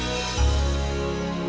sampai jumpa depressing